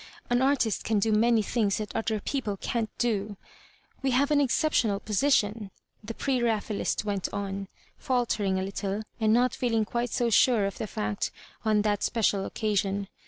An artist can do many things that other people can*t do. We have an exceptional position," the Preraphaelist went on, faltering a little, and not feeling quite so sure of the fact on that spe cial occasion.